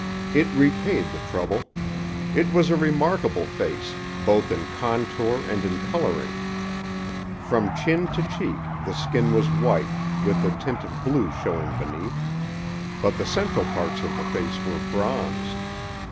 It repaid the trouble. It was a remarkable face, both in contour and in coloring. From chin to cheek, the skin was white, with a tint of blue showing beneath; but the central parts of the face were bronzed.